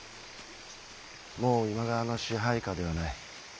もう今川の支配下ではない。